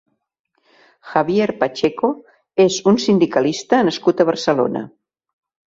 Javier Pacheco és un sindicalista nascut a Barcelona.